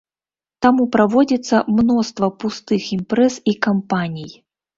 Таму праводзіцца мноства пустых імпрэз і кампаній.